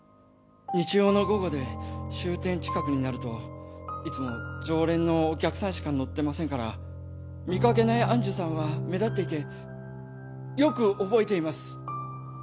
日曜の午後で終点近くになるといつも常連のお客さんしか乗ってませんから見掛けない愛珠さんは目立っていてよく覚えています。